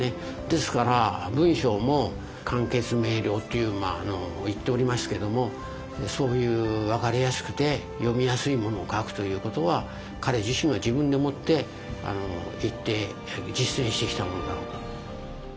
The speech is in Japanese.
ですから文章も簡潔明瞭っていう言っておりますけどもそういう分かりやすくて読みやすいものを書くということは彼自身が自分で思って言って実践してきたものだと。